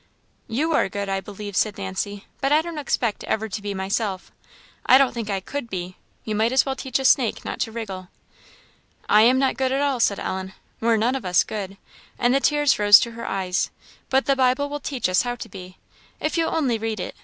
"You are good, I believe," said Nancy, "but I don't expect ever to be, myself I don't think I could be. You might as well teach a snake not to wriggle." "I am not good at all," said Ellen "we're none of us good;" and the tears rose to her eyes; "but the Bible will teach us how to be. If you'll only read it!